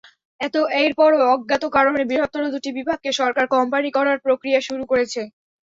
এরপরও অজ্ঞাত কারণে বৃহত্তর দুটি বিভাগকে সরকার কোম্পানি করার প্রক্রিয়া শুরু করেছে।